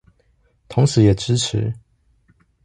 同時也支持